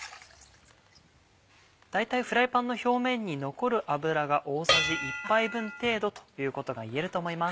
大体フライパンの表面に残る油が大さじ１杯分程度ということがいえると思います。